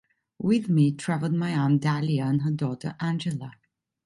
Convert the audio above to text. With me travelled my Aunt Dahlia and her daughter Angela.